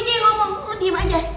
jadi ngomong lo diem aja